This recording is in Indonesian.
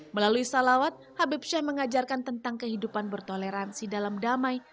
melalui selawat habib syahibin abdul qadir as segaf mengajarkan tentang kehidupan bertoleransi dalam damai